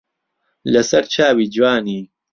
لە سەر چاوی جوانی